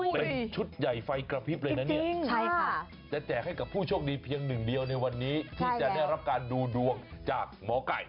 เป็นชุดใหญ่ไฟกระพริบเลยนะเนี่ยจะแจกให้กับผู้โชคดีเพียงหนึ่งเดียวในวันนี้ที่จะได้รับการดูดวงจากหมอไก่